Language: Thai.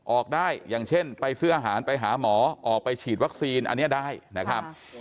ออกได้อย่างเช่นไปซื้ออาหารไปหาหมอออกไปฉีดวัคซีนอันนี้ได้นะครับ